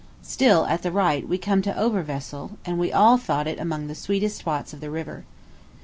Still, at the right, we came to Oberwesel, and we all thought it among the sweetest spots of the river.